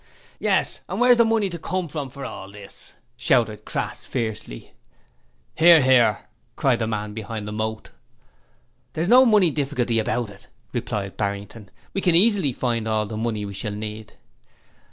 'Yes: and where's the money to come from for all this?' shouted Crass, fiercely. 'Hear, hear,' cried the man behind the moat. 'There's no money difficulty about it,' replied Barrington. 'We can easily find all the money we shall need.'